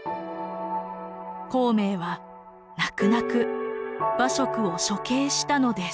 孔明は泣く泣く馬謖を処刑したのです。